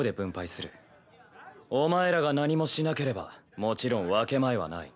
お前らが何もしなければもちろん分け前はない。